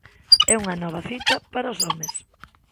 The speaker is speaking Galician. E unha nova cita para os homes.